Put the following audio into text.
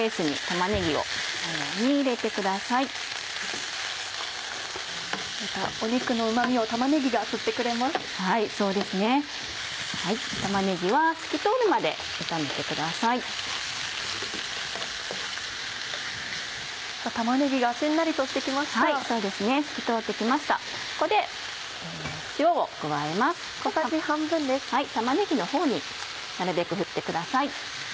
玉ねぎのほうになるべく振ってください。